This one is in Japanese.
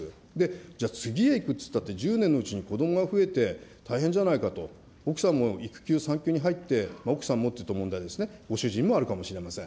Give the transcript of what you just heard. じゃあ次へ行くっていったって１０年のうちに子どもが増えて大変じゃないかと、奥さんも育休、産休に入って、奥さんもって言うと問題ですね、ご主人もあるかもしれません。